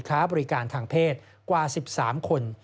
ค้าบริการทางเพศกว่า๑๓คน